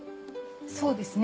そうですね。